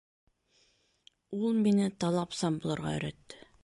Ул мине талапсан булырға өйрәтте.